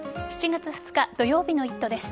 ７月２日土曜日の「イット！」です。